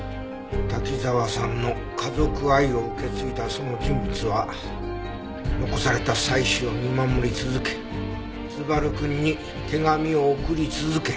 滝沢さんの家族愛を受け継いだその人物は残された妻子を見守り続け昴くんに手紙を送り続け。